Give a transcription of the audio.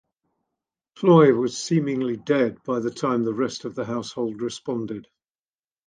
Ploy was seemingly dead by the time the rest of the household responded.